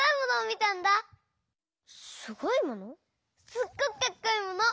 すっごくかっこいいもの！